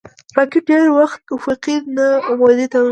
راکټ ډېری وخت افقي نه، عمودي توغېږي